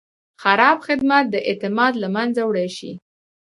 خراب خدمت د اعتماد له منځه وړی شي.